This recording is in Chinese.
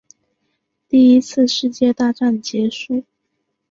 第一次世界大战结束